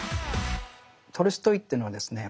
トルストイというのはですね